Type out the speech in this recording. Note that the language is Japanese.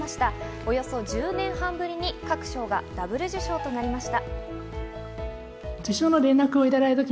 およそ１０年半ぶりに各賞がＷ受賞となりました。